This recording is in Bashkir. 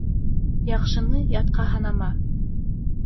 Яҡшыны ятҡа һанама.